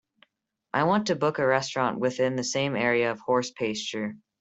I want to book a restaurant within the same area of Horse Pasture.